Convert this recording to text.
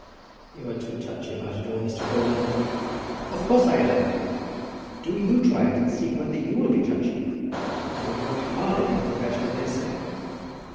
"You are too touchy about it all, Mr. Crawley." "Of course I am. Do you try it, and see whether you will be touchy. You have worked hard at your profession, I daresay."